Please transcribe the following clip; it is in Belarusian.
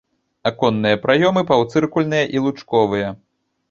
Аконныя праёмы паўцыркульныя і лучковыя.